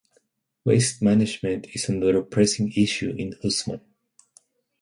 Waste management is another pressing issue in Usmann.